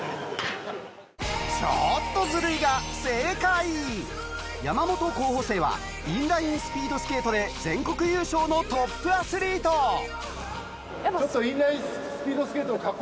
ちょっとズルいが正解山本候補生はインラインスピードスケートで全国優勝のトップアスリートちょっと。